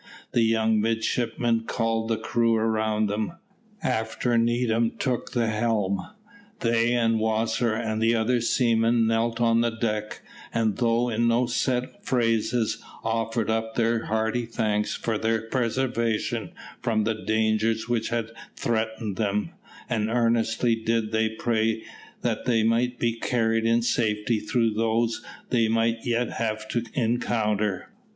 The young midshipmen called the crew around them, after Needham took the helm. They and Wasser and the other seamen knelt on the deck, and though in no set phrases, offered up their hearty thanks for their preservation from the dangers which had threatened them; and earnestly did they pray that they might be carried in safety through those they might yet have to encounter.